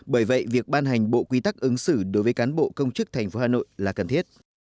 bởi vậy việc ban hành bộ quy tắc ứng xử đối với cán bộ công chức tp hà nội là cần thiết